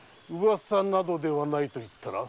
噂などではないと言ったら？